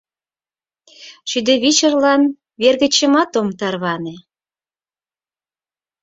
Шӱдывичырлан вер гычемат ом тарване!